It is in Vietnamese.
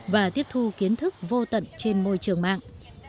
và tiết thu kiến thức vô tận trên môi trường mạng